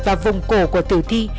và vùng cổ của tử thi